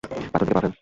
পাথর দেখে পা ফেল।